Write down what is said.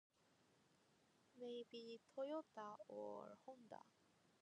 Hallo ich heiße Omnibot, wie ist dein Name?